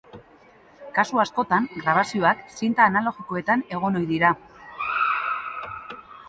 Kasu askotan, grabazioak zinta analogikoetan egon ohi dira.